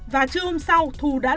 và trưa hôm sau thu đã lên